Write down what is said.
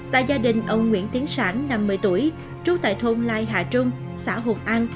tại gia đình ông nguyễn tiến sản năm mươi tuổi trú tại thôn lai hà trung xã hùng an